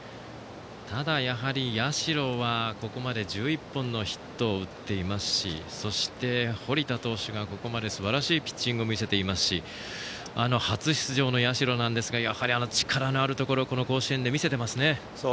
ただ、やはり社はここまで１１本のヒットを打っていますしそして、堀田投手がここまで、すばらしいピッチングを見せていますし初出場の社ですが力のあるところを甲子園で見せていますね。